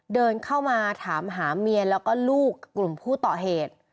เดินเข้ามาถามหาเมียแล้วก็ลูกกลุ่มผู้ก่อเหตุ